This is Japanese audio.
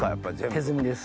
手摘みです。